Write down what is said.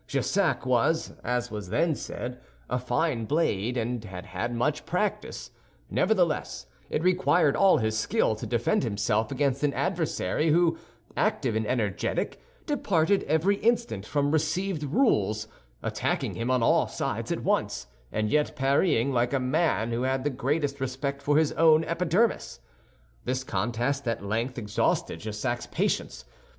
Jussac was, as was then said, a fine blade, and had had much practice; nevertheless it required all his skill to defend himself against an adversary who, active and energetic, departed every instant from received rules, attacking him on all sides at once, and yet parrying like a man who had the greatest respect for his own epidermis. This contest at length exhausted Jussac's patience.